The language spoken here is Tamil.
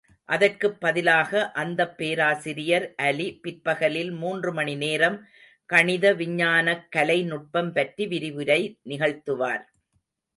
அதற்குப் பதிலாக, அந்தப் பேராசிரியர் அலி பிற்பகலில் மூன்று மணிநேரம் கணித விஞ்ஞானக்கலை நுட்பம் பற்றி விரிவுரை நிகழ்த்துவார்.